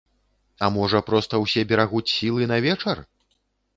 А можа проста ўсе берагуць сілы на вечар?